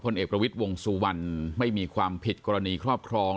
คนเอ็กส์ประวิทย์วงสู่วันไม่มีความผิดกรณีคลอบครอง